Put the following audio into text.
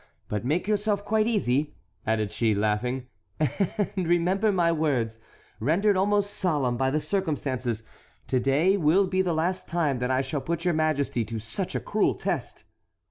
But make yourself quite easy," added she, laughing, "and remember my words, rendered almost solemn by the circumstances. To day will be the last time that I shall put your majesty to such a cruel test."